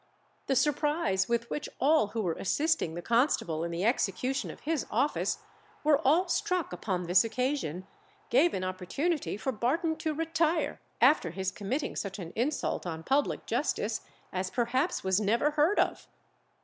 The surprise with which all who were assisting the constable in the execution of his office were all struck upon this occasion gave an opportunity for Barton to retire, after his committing such an insult on public justice, as perhaps was never heard of.